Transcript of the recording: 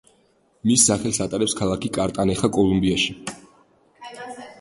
მის სახელს ატარებს ქალაქი კარტახენა კოლუმბიაში.